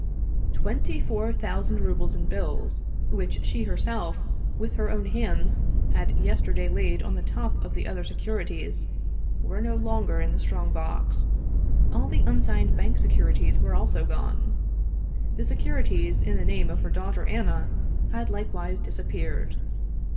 Twenty four thousand rubles in bills, which she herself with her own hands had yesterday laid on the top of the other securities, were no longer in the strong box. All the unsigned bank se curities were also gone. The securities in the name of her daughter Anna had likewise disappeared.